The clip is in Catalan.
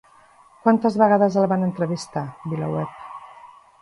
Quantes vegades el van entrevistar, Vilaweb?